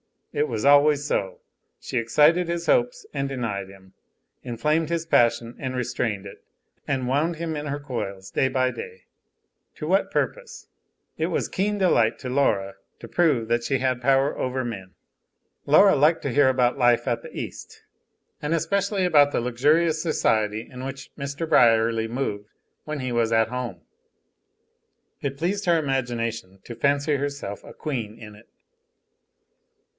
It was always so. She excited his hopes and denied him, inflamed his passion and restrained it, and wound him in her toils day by day. To what purpose? It was keen delight to Laura to prove that she had power over men. Laura liked to hear about life at the east, and especially about the luxurious society in which Mr. Brierly moved when he was at home. It pleased her imagination to fancy herself a queen in it.